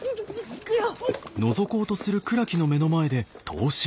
行くよ！